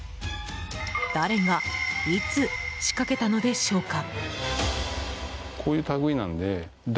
誰が、いつ仕掛けたのでしょうか。